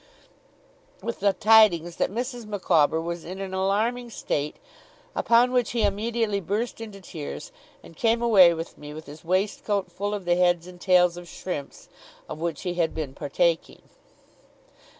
with the tidings that Mrs. Micawber was in an alarming state, upon which he immediately burst into tears, and came away with me with his waistcoat full of the heads and tails of shrimps, of which he had been partaking.